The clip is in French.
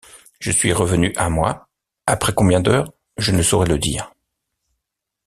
Je suis revenu à moi, — après combien d’heures, je ne saurais le dire.